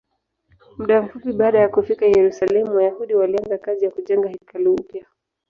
Muda mfupi baada ya kufika Yerusalemu, Wayahudi walianza kazi ya kujenga hekalu upya.